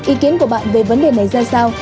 ý kiến của bạn về vấn đề này ra sao